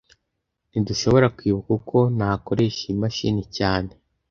Ntidushobora kwibuka uko nakoresha iyi mashini cyane